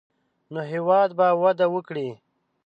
نو هېواد به وده وکړي.